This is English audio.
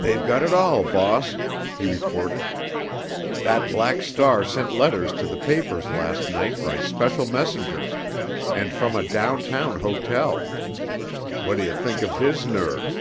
"They've got it all, boss," he reported. "That Black Star sent letters to the papers last night by special messengers, and from a downtown hotel. Whaddaya think of his nerve?